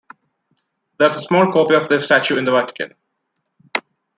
There is a small copy of the statue in the Vatican.